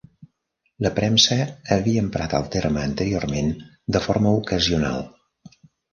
La premsa havia emprat el terme anteriorment de forma ocasional.